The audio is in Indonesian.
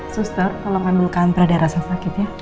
suster tolong ambilkan pradara sasakit ya